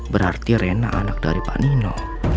berarti rena anak dari pak nino